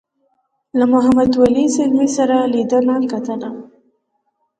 له محمد ولي ځلمي سره لیدنه کتنه.